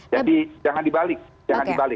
jadi jangan dibalik jangan dibalik